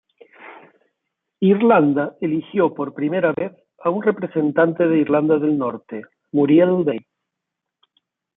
Irlanda eligió por primera vez a un representante de Irlanda del Norte, Muriel Day.